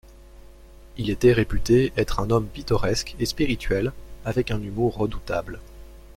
Il était réputé être un homme pittoresque et spirituel avec un humour redoutable.